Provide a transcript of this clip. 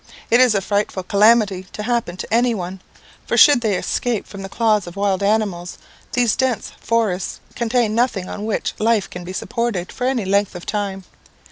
It is a frightful calamity to happen to any one; for should they escape from the claws of wild animals, these dense forests contain nothing on which life can be supported for any length of time.